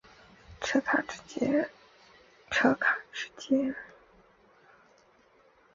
车卡之间的贯通道由德国厂商虎伯拉铰接系统提供。